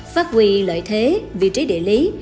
phát huy lợi thế vị trí địa lý